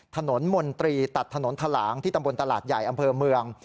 ถนนมนตรีตัดถนนทะหลางที่ตำบลตลาดใหญ่อำเภอเมือง